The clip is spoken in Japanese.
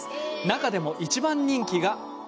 中でも、一番人気が。